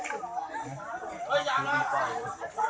ดูเรื่องโม